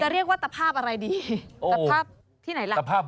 เรียกว่าตะภาพอะไรดีตภาพที่ไหนล่ะ